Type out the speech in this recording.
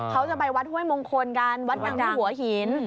เขาจะไปวัดห้วยมงคลกันวัดดังที่หัวหิน